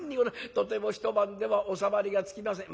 とても１晩では収まりがつきません。